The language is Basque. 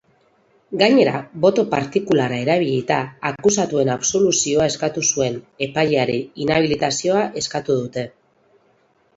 Gainera, boto partikularra erabilita akusatuen absoluzioa eskatu zuen epailearen inhabilitazioa eskatu dute.